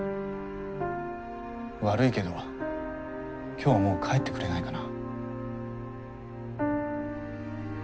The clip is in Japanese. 悪いけど今日はもう帰ってくれないかな。